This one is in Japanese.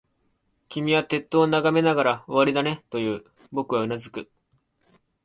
君は鉄塔を眺めながら、終わりだね、と言う。僕はうなずく。